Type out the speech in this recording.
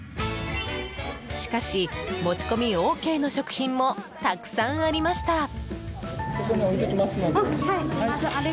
しかし、持ち込みＯＫの食品もたくさんありました。